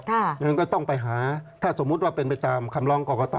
เพราะฉะนั้นก็ต้องไปหาถ้าสมมุติว่าเป็นไปตามคำร้องกรกต